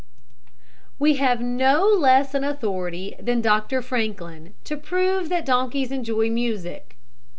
We have no less an authority than Dr Franklin to prove that donkeys enjoy music.